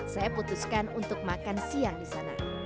saya putuskan untuk makan siang disana